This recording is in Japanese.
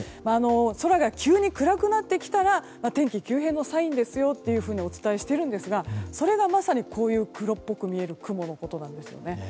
空が急に暗くなってきたら天気急変のサインですよとお伝えしているんですがそれがまさにこういう黒っぽく見える雲のことなんですね。